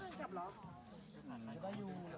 เมื่อเวลามีเวลาที่ไม่เห็น